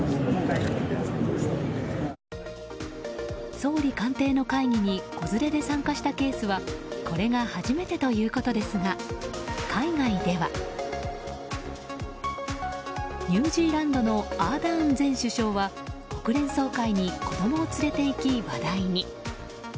総理官邸の会議に子連れで参加したケースはこれが初めてということですが海外ではニュージーランドのアーダーン前首相は国連総会に子供を連れていき話題に。